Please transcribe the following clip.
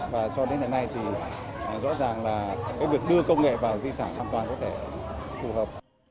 và cho đến ngày nay thì rõ ràng là cái việc đưa công nghệ vào di sản hoàn toàn có thể phù hợp